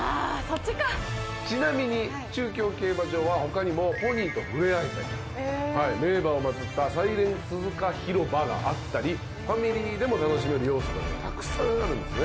そっちかちなみに中京競馬場は他にもポニーとふれあえたりへ名馬をまつったサイレンススズカ広場があったりファミリーでも楽しめる要素がたくさんあるんですね